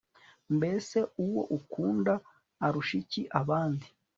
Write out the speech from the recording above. mbese uwo ukunda arusha iki abandi